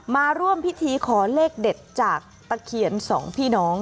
มาร่วมพิธีขอเลขเด็ดจากตะเคียนสองพี่น้อง